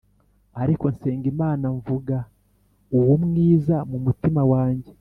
Ariko nsenga Imana mvuga, uwo mwiza mu mutima wanjye